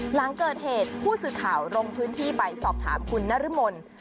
หลังเกิดเหตุผู้สื่อข่าวลงพื้นที่ไปสอบถามคุณนรมน